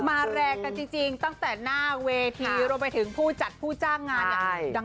แรงกันจริงตั้งแต่หน้าเวทีรวมไปถึงผู้จัดผู้จ้างงานเนี่ย